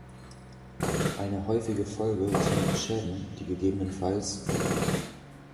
Eine häufige Folge sind Schäden, die ggfs.